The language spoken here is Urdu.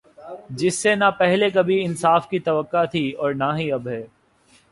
جس سے نا پہلے کبھی انصاف کی توقع تھی اور نا ہی اب ہے